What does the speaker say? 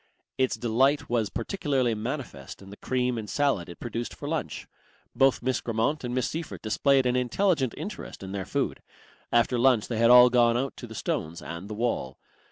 Its delight was particularly manifest in the cream and salad it produced for lunch. Both Miss Grammont and Miss Seyffert displayed an intelligent interest in their food. After lunch they had all gone out to the stones and the wall.